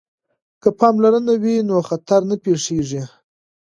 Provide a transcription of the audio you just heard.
که پاملرنه وي نو خطر نه پیښیږي.